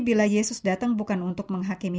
bila yesus datang bukan untuk menghakimi